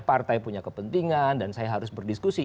partai punya kepentingan dan saya harus berdiskusi